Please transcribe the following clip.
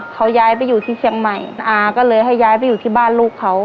เขาย้ายไปอยู่ที่เชียงใหม่อาก็เลยให้ย้ายไปอยู่ที่บ้านลูกเขา